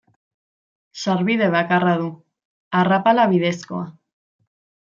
Sarbide bakarra du, arrapala bidezkoa.